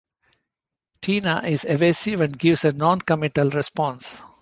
Tina is evasive and gives a non-committal response.